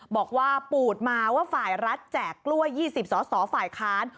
บอกว่าปูดมาว่าฝ่ายรัฐแจกล้วย๒๐ส่อฝ่ายค้าน